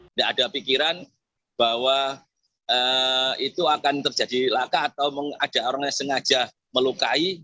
tidak ada pikiran bahwa itu akan terjadi laka atau ada orang yang sengaja melukai